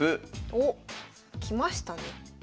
おっきましたね。